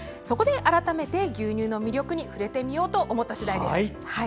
そこで改めて牛乳の魅力に触れてみようと思ったしだいです。